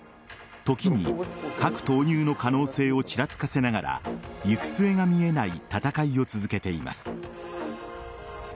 時に核投入の可能性をちらつかせながら行く末が見えない戦いを続けています。